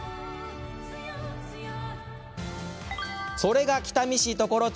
それが北見市常呂町。